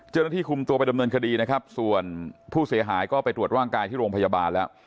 เจ้าหน้าที่คุมตัวไปดำเนินคดีนะครับส่วนผู้เสียหายก็ไปตรวจร่างกายที่โรงพยาบาลแล้ว